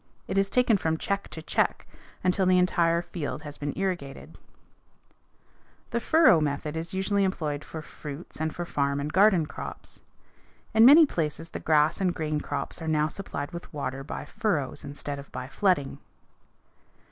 It is taken from check to check until the entire field has been irrigated. [Illustration: FIG. 288. THE PROCESS OF IRRIGATING CORN] The furrow method is usually employed for fruits and for farm and garden crops. In many places the grass and grain crops are now supplied with water by furrows instead of by flooding.